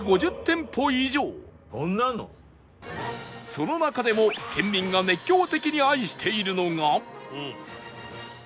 その中でも県民が熱狂的に愛しているのが